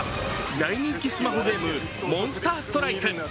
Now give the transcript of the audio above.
大人気スマホゲーム「モンスターストライク」。